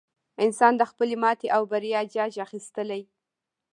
انسان د خپلې ماتې او بریا جاج اخیستلی.